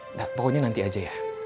enggak pokoknya nanti aja ya